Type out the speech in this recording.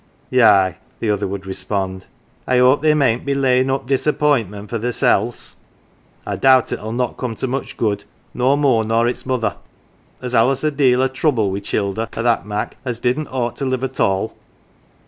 " Yigh," the other would respond, " I 'ope they mayn't be layin' up disappointment for theirsel's. I doubt it'll not come to much good no more nor its mother. There's allus a deal o' trouble wi' childer o' that mak' as didn't ought to live at all."